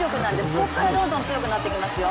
ここからどんどん強くなってきますよ。